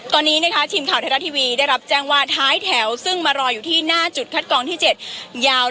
ตอนนี้นะคะทีมข่าวไทยรัฐทีวีได้รับแจ้งว่าท้ายแถวซึ่งมารออยู่ที่หน้าจุดคัดกองที่๗ยาว